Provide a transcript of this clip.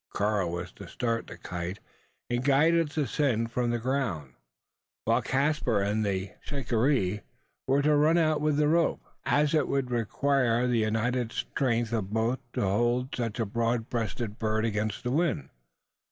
Karl was to start the kite, and guide its ascent from the ground; while Caspar and the shikaree were to run out with the rope: as it would require the united strength of both to hold such a broad breasted bird against the wind.